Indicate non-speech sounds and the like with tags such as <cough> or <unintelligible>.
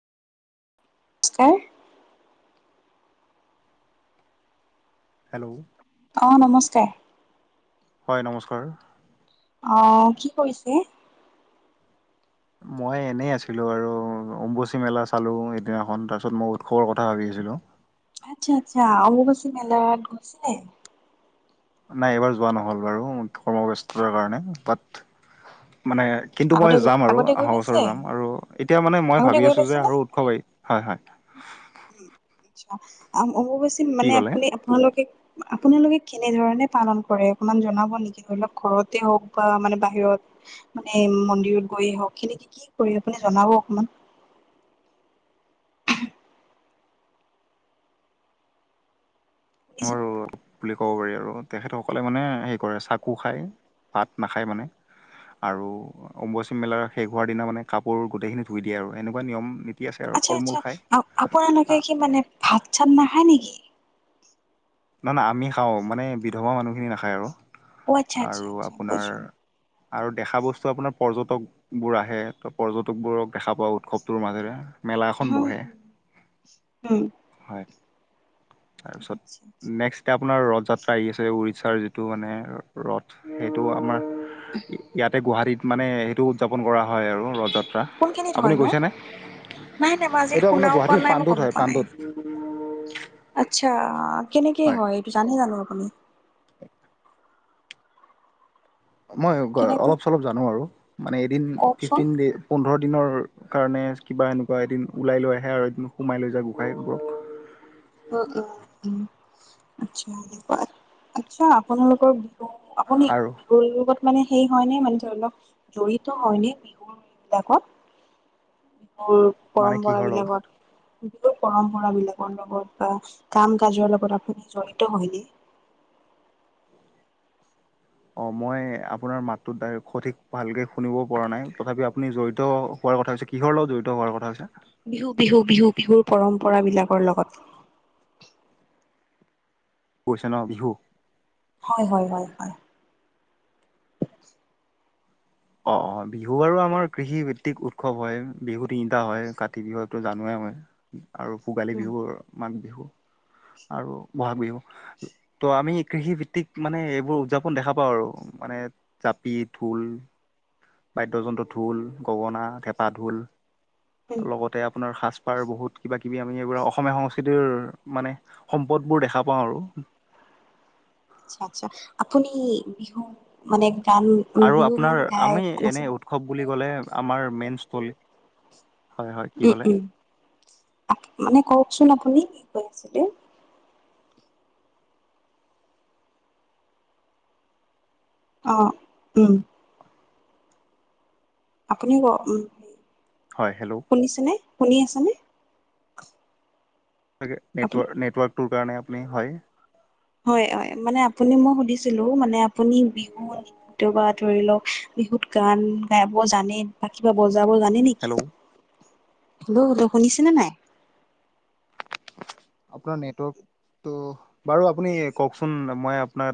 হে <inaudible> হেল্ল' অঁ নমস্কাৰ হয় নমস্কাৰ অ কি কৰিছে। মই এনেই আছিলোঁ আৰু অম্বুবাচী মেলা চালোঁ সিদিনাখন তাৰপিছত মই উৎসৱৰ কথা ভাবি আছিলোঁ। আচ্ছা', আচ্ছা, অম্বুবাচী মেলাত গৈছে। নাই। এইবাৰ যোৱা নহ'ল বাৰু কৰ্মব্যস্ততাৰ কাৰণে বাট মানে কিন্তু মই আগতে গ- যাম আৰু আগতে গৈ অহা বছৰ পাইছে যাম আৰু এতিয়া মানে মই আগতে ভাবি গৈ আছো যে পাইছে নে আৰু উৎসৱায়ি হয়। হয়। উম', আচ্ছা, অম্বুবাচী কি মানে ক'লে আপনি আপোনালোকে আপোনালোকে কেনেধৰণে পালন কৰে। অকনমান জনাব নেকি? ধৰি লওক ঘৰতে হওক বা মানে বাহিৰত। মানে মন্দিৰত গৈ হওক সিনকি কি কৰি? আপুনি জনাব অকমান। <inaudible> মোৰ <unintelligible> বুলি ক'ব পাৰি আৰু তেখেতসকলে মানে হেৰি কৰে চাকু খায়। ভাত নাখায় মানে আৰু অম্ববাচী মেলা শেষ হোৱাৰ দিনা মানে কাপোৰ গোটেইখিনি ধুই দিয়ে আৰু এনেকুৱা নিয়ম নী আচ্ছা', আচ্ছা, আপোনালোকে কি নহয় মানে ভাত চাত নাখায় নেকি? নাহ না আমি খাওঁ মানে বিধৱা মানুহখিনি নাখায় আৰু অ আচ্ছা আচ্ছা আৰু আচ্ছা আপোনাৰ বুজিছো আৰু দেখা বস্তু আপোনাৰ পৰ্যটক বোৰ আহে ত পৰ্যটকবোৰক দেখা পোৱা উৎসৱটোৰ মাজেৰে মেলা এখন উম বহে। উম', হয়। তাৰপিছত আচ্ছা আচ্ছা নেক্স এতিয়া আপোনাৰ ৰথ যাত্ৰা আহি আছে। উৰিষ্যাৰ যিটো মানে ৰথ সেইটো আমাৰ ইয়াতে গুৱাহাটীত মানে সেইটো উদযাপন কৰা হয়, আৰু ৰথযাত্ৰা কোনখিনিত হয় আপুনি নো গৈছেনে? নাই নাই মই আজিলৈ এইটো আপোনাৰ শুনাও পোৱা গুৱাহাটীৰ নাই মই পান্ডোত গমো হয়। পোৱা নাই। পান্ডোত <inaudible> আচ্ছা কেনেকে হয়। এইটো জানে জানো আপুনি মই কেনেকৈ অলপ চলপ জানো আৰু মানে এদিন কওকচোন? ফিফটিন ডেছত পোন্ধৰ দিনৰ কাৰণে কিবা এনেকুৱা এদিন ওলাই লৈ আহে আৰু এদিন সোমাই লৈ যায়। গোঁসাই এইবোৰক উ', উ, উ, আচ্ছা এনেকুৱা আচ্ছা আপোনালোকৰ আপুনি আৰু বিহ ৰোগত মানে সেই হয়নে? মানে ধ অলপ জড়িত হয়নে? বিহুৰ এইবিলাকত মোৰ মানে পৰম্পৰা কিহৰ লগত বিলাকত পৰম্পৰা বিলাকৰ লগত বা কাম কাজৰ লগত আপুনি জড়িত হয়নে? অ', মই আপোনাৰ মাতটোত সঠিক ভালকে শুনিব পৰা নাই। তথাপি আপুনি জড়িত হোৱাৰ কথা হৈছে। কিহৰ লগত জড়িত হোৱাৰ কথা হৈছে। বিহু-বিহু-বিহু-বিহুৰ পৰম্পৰা বিলাকৰ লগত গৈছে ন বিহু? হয়। হয়। হয়। হয়। অ', অ, বিহু বাৰু আমাৰ কৃষিভিত্তিক উৎসৱ হয়। বিহু তিনিটা হয়। কাতি বিহু এইটো জানোৱেই হয়। আৰু ভোগালী উম। বিহুৰ, মাঘ বিহু আৰু বহাগ বিহু ত', আমি কৃষি ভিত্তিক মানে এইবোৰ উদযাপন দেখা পাওঁ আৰু মানে জাপি, ঢোল বাদ্যযন্ত্ৰ ঢোল, গগনা, হেঁপা ঢোল, উম। লগতে আপোনাৰ সাজ তাৰ বহুত কিবা কিবি আমি এইব অসমীয়া সংস্কৃতিৰ মানে সম্পদবোৰ দেখা পাওঁ আৰু আচ্ছা-আচ্ছা আপুনি বিহু মানে গান আৰু বিহু গান আপোনাৰ গাই আমি এনে নাছিল উৎসৱ বুলি ক'লে আমাৰ মেইনস্থলী উম', উম, মানে কওকচোন আপুনি কি কৈ আছে? অ', উম আপুনি ক উ, হয়, হেল্ল'। শুনিছেনে, শুনি আছেনে? তাকে আপুনি নেটৱৰ্ নেটৱৰ্কটোৰ কাৰণে আপুনি, হ'য়। হ'য় হ'য়, মানে আপুনি মই সুধিছিলো মানে আপুনি বিহু নৃত্য বা ধৰি লওঁক বিহুত গান গাব জানে বা কিবা বজাবোৰ জানে নেকি, হেল্ল' লো ত শুনিছে নে নাই? আপোনাৰ নেটৱৰ্ক তো বাৰু আপুনি কওঁকচোন মই আপোনাৰ